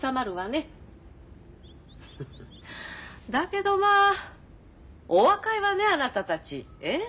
フッフッだけどまあお若いわねあなたたちええ？